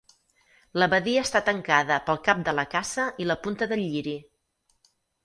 La badia està tancada pel cap de la Caça i la punta del Lliri.